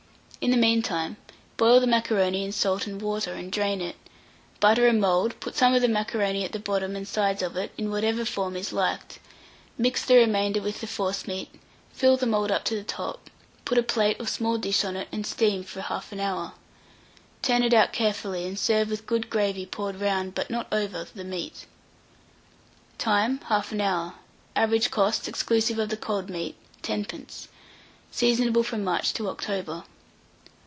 In the mean time, boil the macaroni in salt and water, and drain it; butter a mould, put some of the macaroni at the bottom and sides of it, in whatever form is liked; mix the remainder with the forcemeat, fill the mould up to the top, put a plate or small dish on it, and steam for 1/2 hour. Turn it out carefully, and serve with good gravy poured round, but not over, the meat. Time. 1/2 hour. Average cost, exclusive of the cold meat, 10d. Seasonable from March to October.